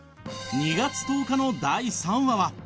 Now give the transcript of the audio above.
２月１０日の第３話は。